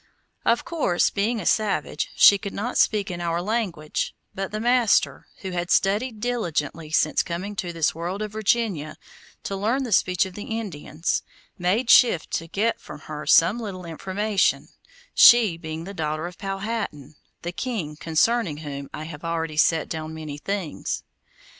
Of course, being a savage, she could not speak in our language, but the master, who had studied diligently since coming to this world of Virginia to learn the speech of the Indians, made shift to get from her some little information, she being the daughter of Powhatan, the king concerning whom I have already set down many things.